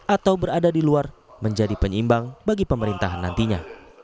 atau berada di luar menjadi penyeimbang bagi pemerintahan nantinya